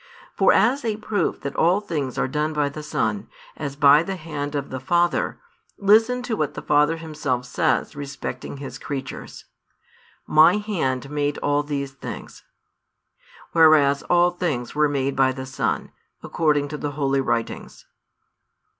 For as a proof that all things are done by the Son, as by the hand of the Father, listen to what the Father Himself says respecting His creatures: My hand made all these things; whereas all things were made by the Son, according to the holy writings.